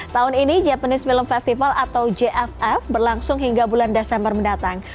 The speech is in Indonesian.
tahun ini japanese film festival atau jff berlangsung hingga bulan desember mendatang